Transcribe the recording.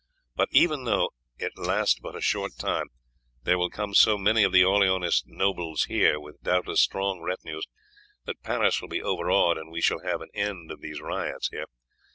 But even though it last but a short time, there will come so many of the Orleanist nobles here with doubtless strong retinues that Paris will be overawed, and we shall have an end of these riots here.